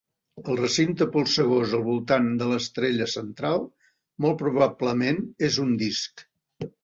El recinte polsegós al voltant de l'estrella central molt probablement és un disc.